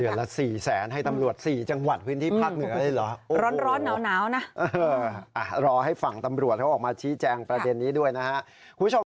เดือนละ๔๐๐๐๐๐ให้ตำรวจ๔จังหวัดพื้นที่ภาคเหนือได้เหรอ